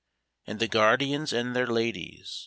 And the guardians and their ladies.